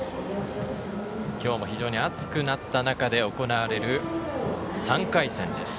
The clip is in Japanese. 今日も非常に暑くなった中で行われる３回戦です。